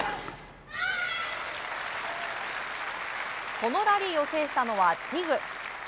このラリーを制したのはティグ。